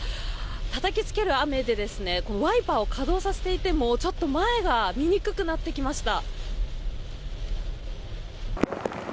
たたきつける雨でワイパーを稼働させていても前が見にくくなってきました。